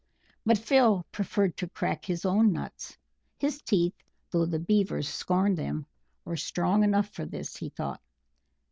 But Phil preferred to crack his own nuts; his teeth, though the Beavers scorned them, were strong enough for this, he thought.